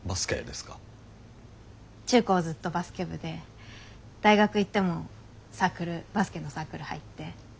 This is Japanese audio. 中高ずっとバスケ部で大学行ってもサークルバスケのサークル入って。